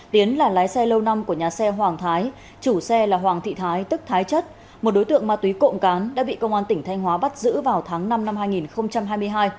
tiến là lái xe lâu năm của nhà xe hoàng thái chủ xe là hoàng thị thái tức thái chất một đối tượng ma túy cộng cán đã bị công an tỉnh thanh hóa bắt giữ vào tháng năm năm hai nghìn hai mươi hai